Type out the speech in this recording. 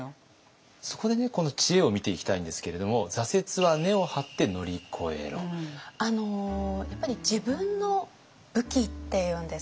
そこでこの知恵を見ていきたいんですけれどもやっぱり自分の武器っていうんですかね